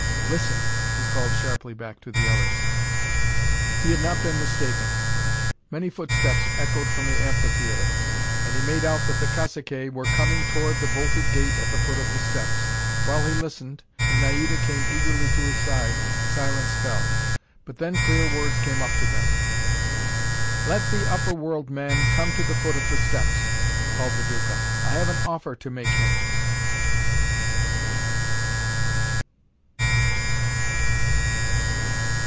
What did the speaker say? "Listen," he called sharply back to the others. He had not been mistaken. Many footsteps echoed from the amphitheatre, and he made out that the caciques were coming toward the bolted gate at the foot of the steps. While he listened, and Naida came eagerly to his side, silence fell. But then clear words came up to them. "Let the upper world man come to the foot of the steps," called the Duca. "I have an offer to make him!"